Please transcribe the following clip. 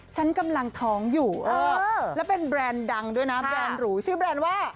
ฉันกำลังท้องอยู่แล้วเป็นแบรนด์ดังด้วยนะแบรนด์หรูชื่อแบรนด์ว่า